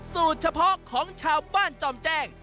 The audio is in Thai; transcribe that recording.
สูตรเฉพาะของชาวบ้านจอมแจ้ง